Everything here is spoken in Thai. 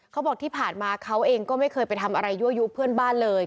เขาบอกที่ผ่านมาเขาเองก็ไม่เคยไปทำอะไรยั่วยุเพื่อนบ้านเลย